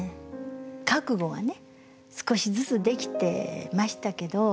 覚悟はね少しずつできてましたけど